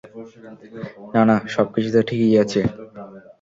না না, সব কিছুতো ঠিকই আছে।